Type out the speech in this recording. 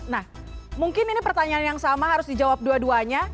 nah mungkin ini pertanyaan yang sama harus dijawab dua duanya